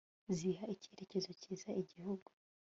ziha icyerekezo cyiza igihugu